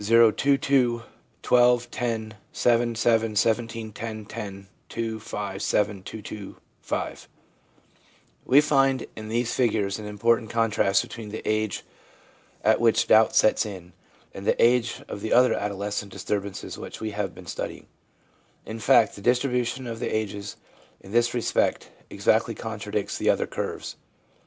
o 2 2 12 10 7 7 17 10 10 2 5 7 2 2 5 We find in these figures an important contrast between the age at which doubts set in, and the age of the other adolescent disturbances which we have been studying. In fact, the distribution of the ages in this respect exactly contradicts the other curves.